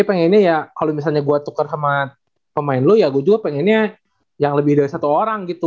dia pengennya ya kalau misalnya gue tuker sama pemain lu ya gue juga pengennya yang lebih dari satu orang gitu